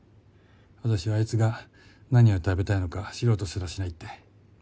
私はあいつが何を食べたいのか知ろうとすらしないって。